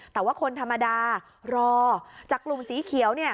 แต่ว่าคนธรรมดารอจากกลุ่มสีเขียว